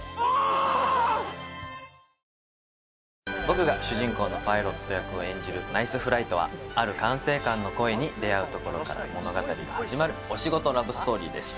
僕が主人公のパイロット役を演じる『ＮＩＣＥＦＬＩＧＨＴ！』はある管制官の声に出会うところから物語が始まるお仕事ラブストーリーです。